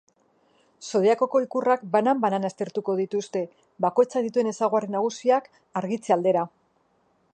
Zodiakoko ikurrak banan-banan aztertuko dituze, bakoitzak dituen ezaugarri nagusiak argitze aldera.